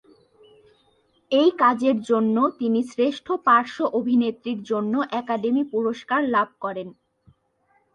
এই কাজের জন্য তিনি শ্রেষ্ঠ পার্শ্ব অভিনেত্রীর জন্য একাডেমি পুরস্কার লাভ করেন।